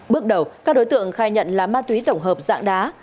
bước đầu các đối tượng khai nhận là ma túy tổng hợp dạng đá